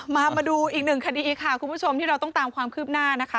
มาดูอีกหนึ่งคดีค่ะคุณผู้ชมที่เราต้องตามความคืบหน้านะคะ